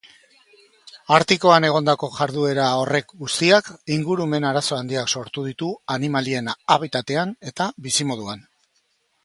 Artikoan egondako jarduera horrek guztiak ingurumen arazo handiak sortu ditu animalien habitatean eta bizimoduan.